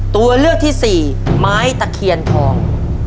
ตัวเลือกที่สี่ไม้ตะเคียนทอง